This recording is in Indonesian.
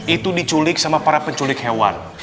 itu diculik sama para penculik hewan